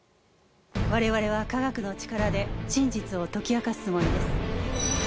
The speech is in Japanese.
我々は科学の力で真実を解き明かすつもりです。